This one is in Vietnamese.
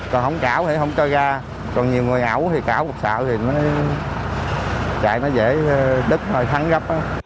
còn không cảo thì không cho ra còn nhiều người ảo thì cảo một sợi thì chạy nó dễ đứt rồi thắng gấp